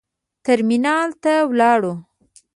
ترمینال ته ولاړو.